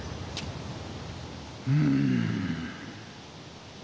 うん。